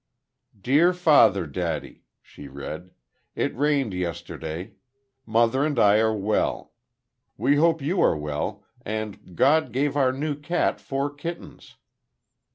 "Dear father daddy," she read. "It rained yesterday. Mother and I are well. We hope you are well and God gave our new cat four kittens."